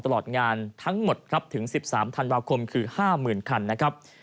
ตลอดงานทั้งหมดครับถึง๑๓ธันวาคมคือ๕๐๐๐คันนะครับ